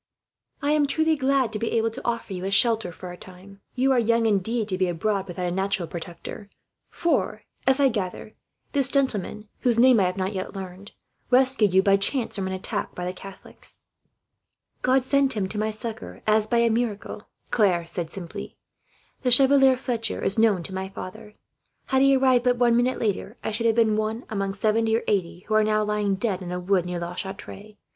"I am truly glad to be able to offer you a shelter, for a time. You are young, indeed, to be abroad without a natural protector; for as I gather this gentleman, whose name I have not yet learned, rescued you by chance from an attack by the Catholics." "God sent him to my succour, as by a miracle," Claire said simply. "The Chevalier Fletcher is known to my father. Had he arrived but one minute later, I should be one among seventy or eighty who are now lying dead in a wood, near La Chatre.